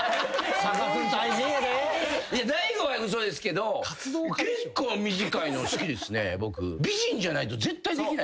大悟は嘘ですけど結構短いの好きですね。